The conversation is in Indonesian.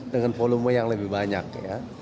dengan volume yang lebih banyak ya